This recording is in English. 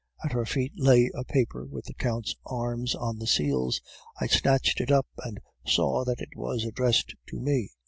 At her feet lay a paper with the Count's arms on the seals; I snatched it up, and saw that it was addressed to me.